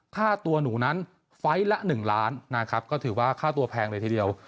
ค่าตัวหนูนั้นไฟล์ละ๑ล้านนะครับก็ถือว่าค่าตัวแพงเลยทีเดียว